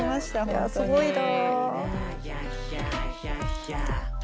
いやすごいな。